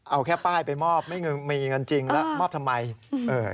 เอาแค่ป้ายไปมอบไม่มีเงินจริงแล้วมอบทำไมเออ